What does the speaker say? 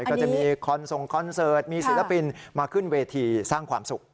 ก็จะมีคอนส่งคอนเสิร์ตมีศิลปินมาขึ้นเวทีสร้างความสุข